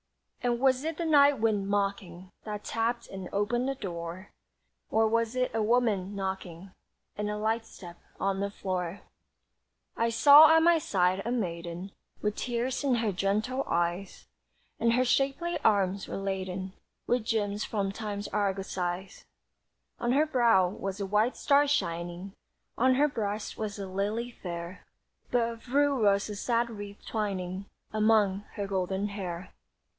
And was it the night wind mocking That tapped and opened the door, Or was it a woman knocking And a light step on the floor? I saw at my side a maiden With tears in her gentle eyes, And her shapely arms were laden With gems from time's argosies. On her brow was a white star shining, On her breast was a lily fair; But of rue was a sad wreath twining Among her golden hair.